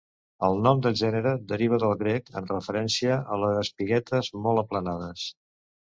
El nom del gènere deriva del grec en referència a les espiguetes molt aplanades.